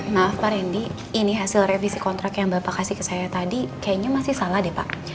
maaf pak randy ini hasil revisi kontrak yang bapak kasih ke saya tadi kayaknya masih salah deh pak